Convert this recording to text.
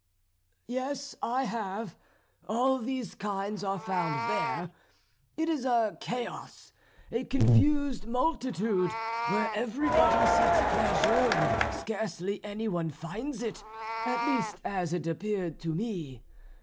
"Yes, I have. All these kinds are found there. It is a chaos a confused multitude, where everybody seeks pleasure and scarcely any one finds it, at least as it appeared to me.